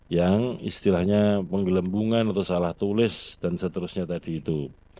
yang istilahnya penggelembungan atau salah tulis dan seterusnya tadi itu